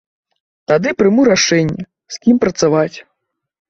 Тады прыму рашэнне, з кім працаваць.